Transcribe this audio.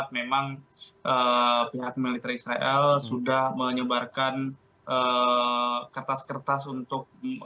memang pihak militer israel sudah menyebarkan kertas kertas untuk